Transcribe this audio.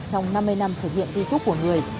trong năm mươi năm thực hiện di trúc của người